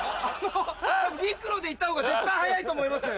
陸路で行ったほうが絶対早いと思います。